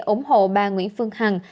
ủng hộ bà nguyễn phương hằng